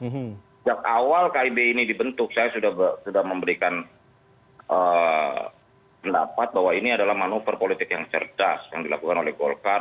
sejak awal kib ini dibentuk saya sudah memberikan pendapat bahwa ini adalah manuver politik yang cerdas yang dilakukan oleh golkar